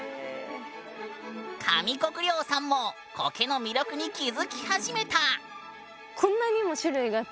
上國料さんもコケの魅力に気付き始めた。